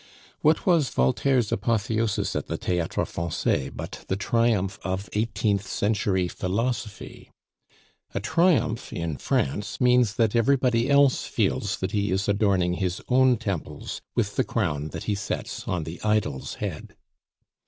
What was Voltaire's apotheosis at the Theatre Francais but the triumph of eighteenth century philosophy? A triumph in France means that everybody else feels that he is adorning his own temples with the crown that he sets on the idol's head.